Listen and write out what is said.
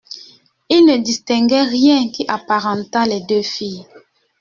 Il ne distinguait rien qui apparentât les deux filles.